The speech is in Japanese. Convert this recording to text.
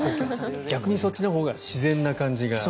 逆にそっちの方が自然な感じが。